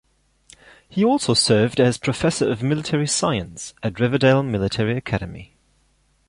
He also served as Professor of Military Science at Riverdale Military Academy.